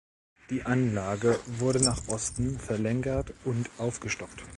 Die Anlage wurde nach Osten verlängert und aufgestockt.